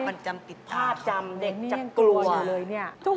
ไม่มีอะไรนะลูกนะ